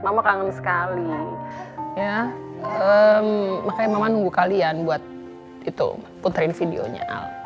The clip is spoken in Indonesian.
mama kangen sekali ya makanya mama nunggu kalian buat itu puterin videonya